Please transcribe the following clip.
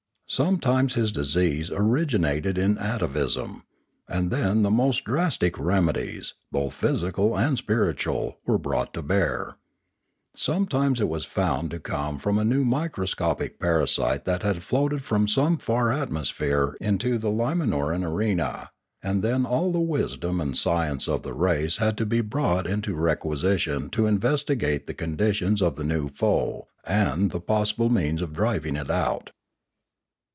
Sometimes his disease originated in atavism, and then the most drastic remedies, both physical and spiritual, were brought to bear; sometimes it was found to come from a new microscopic parasite that had floated from some far atmosphere into the Limanoran arena; and then all the wisdom and science of the race had to be brought into requisition to investigate the conditions of the new foe and the possible means of driving it out.